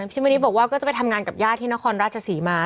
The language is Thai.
มณีบอกว่าก็จะไปทำงานกับญาติที่นครราชศรีมา